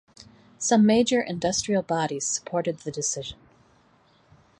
Some major industrial bodies supported the decision.